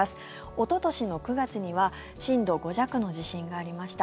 おととしの９月には震度５弱の地震がありました。